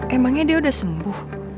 emangnya dia udah sembuh